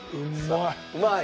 うまい。